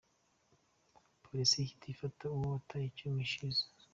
Polisi ihita ifata uwo wateye icyuma Ishimwe.